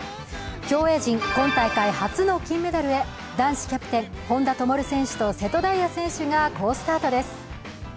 競泳陣、今大会初の金メダルへ男子キャプテン・本多灯選手と、瀬戸大也選手が好スタートです。